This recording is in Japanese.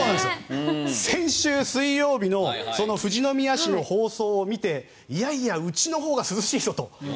先週水曜日の富士宮市の放送を見ていやいやうちのほうが涼しいぞと。